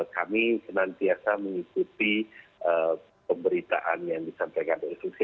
kami senantiasa mengikuti pemberitaan yang disampaikan oleh susi